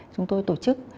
chúng tôi tổ chức